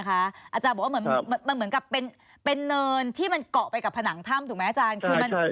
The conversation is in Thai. อาจารย์บอกว่ามันเหมือนกับเป็นเนินที่มันเกาะไปกับผนังถ้ำถูกไหมอาจารย์